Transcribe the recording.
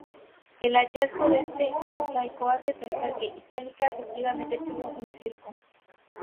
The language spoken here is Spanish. El hallazgo de este mosaico hace pensar que Itálica efectivamente tuvo un circo.